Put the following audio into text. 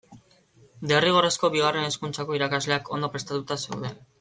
Derrigorrezko Bigarren Hezkuntzako irakasleak ondo prestatuta zeuden.